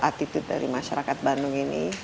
attitude dari masyarakat bandung ini